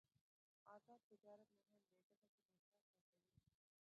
آزاد تجارت مهم دی ځکه چې مصرف هڅوي.